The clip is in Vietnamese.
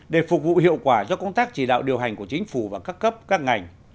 để phục vụ hiệu quả cho công tác chỉ đạo điều hành của chính phủ và các cấp các ngành